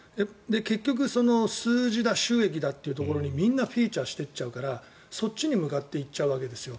結局、数字だ収益だというところにみんなフィーチャーしていっちゃうからそっちに向かっていっちゃうわけですよ。